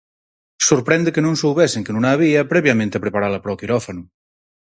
Sorprende que non soubesen que non a había previamente a preparala para o quirófano.